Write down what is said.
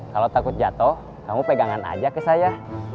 kalau takut jatuh kamu pegangan aja ke saya